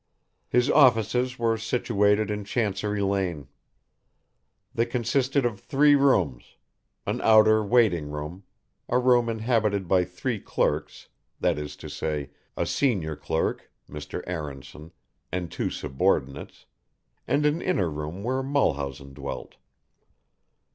His offices were situated in Chancery Lane. They consisted of three rooms: an outer waiting room, a room inhabited by three clerks, that is to say a senior clerk, Mr. Aaronson, and two subordinates, and an inner room where Mulhausen dwelt.